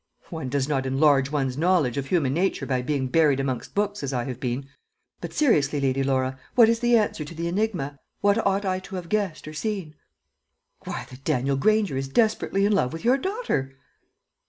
"One does not enlarge one's knowledge of human nature by being buried amongst books as I have been. But seriously, Lady Laura, what is the answer to the enigma what ought I to have guessed, or seen?" "Why, that Daniel Granger is desperately in love with your daughter."